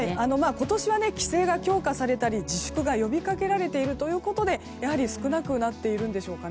今年は規制が強化されたり自粛が呼びかけられているということで少なくなっているんでしょうか。